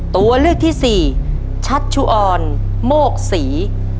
ตัวเลือกที่สี่ชัชชุออนโมกศรี